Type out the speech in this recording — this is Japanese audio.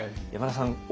山田さん